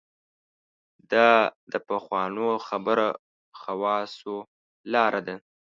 دا د پخوانو خبره خواصو لاره ده.